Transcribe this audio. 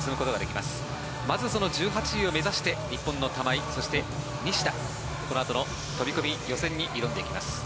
まずその１８位を目指して日本の玉井、そして西田このあとの予選に挑んでいきます。